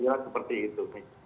jadi seperti itu